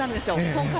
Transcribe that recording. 今回。